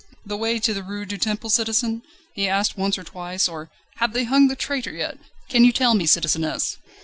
"The way to the Rue du Temple, citizen?" he asked once or twice, or: "Have they hung the traitor yet? Can you tell me, citizeness?"